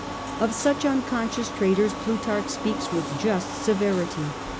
Of such unconscious traitors Plutarch speaks with just severity.